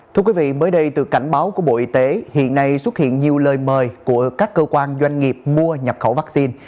thưa quý vị mới đây từ cảnh báo của bộ y tế hiện nay xuất hiện nhiều lời mời của các cơ quan doanh nghiệp mua nhập khẩu vaccine